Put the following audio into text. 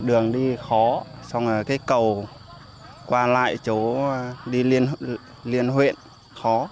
đường đi khó xong rồi cây cầu qua lại chỗ đi liên huyện khó